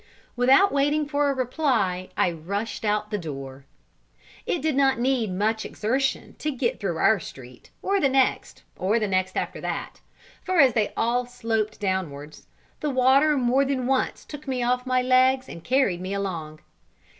Without waiting for a reply, I rushed out at the door. It did not need much exertion to get through our street or the next, or the next after that, for as they all sloped downwards, the water more than once took me off my legs, and carried me along.